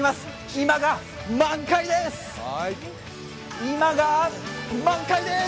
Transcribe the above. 今が満開でーす！